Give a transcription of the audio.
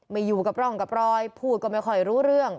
ไม่อยู่กับร่องกับรอยพูดก็ไม่ค่อยรู้เรื่อง